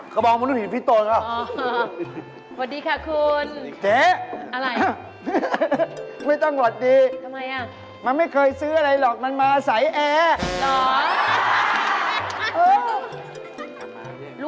กระบองมนุษย์ผิดโตนเหรออ๋ออ๋อ